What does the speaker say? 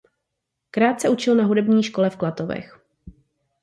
Krátce učil na hudební škole v Klatovech.